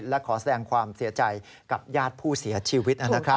และขอแสดงความเสียใจกับญาติผู้เสียชีวิต